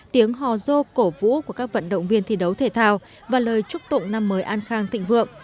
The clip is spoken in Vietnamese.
tiếng hò rô cổ vũ của các vận động viên thi đấu thể thao và lời chúc tụng năm mới an khang thịnh vượng